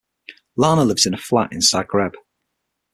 Lana lives in a flat in Zagreb.